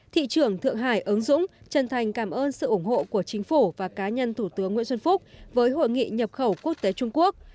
thị trưởng thượng hải ứng dũng chân thành cảm ơn sự ủng hộ của chính phủ và cá nhân thủ tướng nguyễn xuân phúc với hội nghị nhập khẩu quốc tế trung quốc